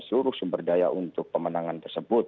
seluruh sumber daya untuk pemenangan tersebut